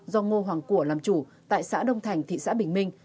do ngô hoàng của làm chủ tại xã đông thành thị xã bình minh